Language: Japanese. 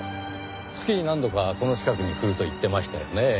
月に何度かこの近くに来ると言ってましたよねぇ。